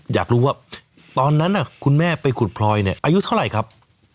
อยากรู้ว่าตอนนั้นคุณแม่ไปขุดพลอยเนี่ยอายุเท่าไหร่ครับ